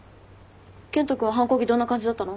健人君は反抗期どんな感じだったの？